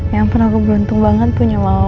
ya ampun aku beruntung banget punya mama